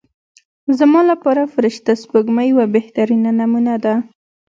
زما لپاره فرشته سپوږمۍ یوه بهترینه نمونه ده.